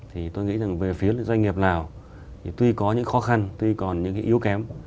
thì tôi nghĩ rằng về phía doanh nghiệp nào thì tuy có những khó khăn tuy còn những cái yếu kém